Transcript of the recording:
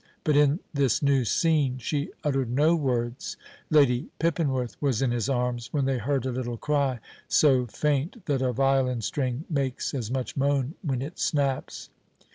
but in this new scene she uttered no words. Lady Pippinworth was in his arms when they heard a little cry, so faint that a violin string makes as much moan when it snaps.